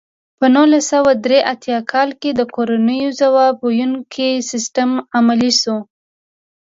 په نولس سوه درې اتیا کال کې د کورنیو ځواب ویونکی سیستم عملي شو.